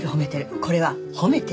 これは褒めてる。